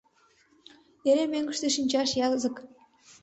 Эре мӧҥгыштӧ шинчаш язык.